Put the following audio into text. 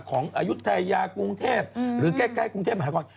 อายุทยากรุงเทพหรือใกล้กรุงเทพมหานคร